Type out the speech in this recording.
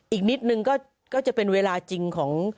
อีกนิดนึงก็จะเป็นเวลาจริงของ